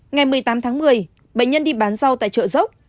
ngày một mươi tám tháng một mươi bệnh nhân đi bán rau tại chợ dốc